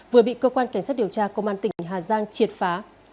vừa bị cơ quan cảnh sát điều tra công an tỉnh hà giang triệt phá